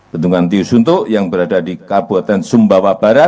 bendungan tiu suntuk yang berada di kabupaten sumbawa barat